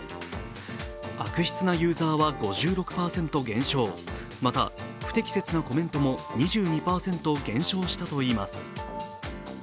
悪質なユーザーは５６％減少、また、不適切なコメントも２２％減少したといいます。